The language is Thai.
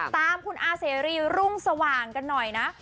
ตามคุณอาเสรีรุ่งสว่างกันหน่อยนะ